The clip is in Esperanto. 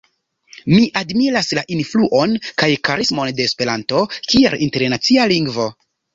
Mi admiras la influon kaj karismon de Esperanto kiel internacia lingvo.